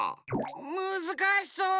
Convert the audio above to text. むずかしそう。